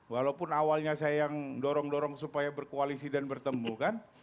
walaupun awalnya saya yang dorong dorong supaya berkoalisi dan bertemu kan